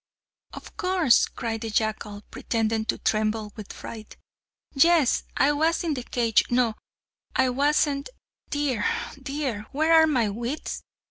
"Of course!" cried the jackal, pretending to tremble with fright; "yes! I was in the cage no I wasn't dear! dear! where are my wits?